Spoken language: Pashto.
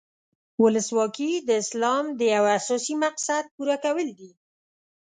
ولسواکي د اسلام د یو اساسي مقصد پوره کول دي.